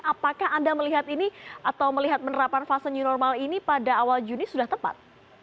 apakah anda melihat ini atau melihat penerapan fase new normal ini pada awal juni sudah tepat